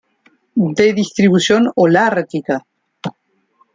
De distribución holártica.